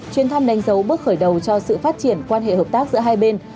chuyến thăm đánh dấu bước khởi đầu cho sự phát triển quan hệ hợp tác giữa hai bên